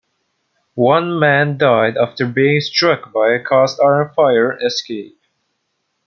One man died after being struck by a cast iron fire escape.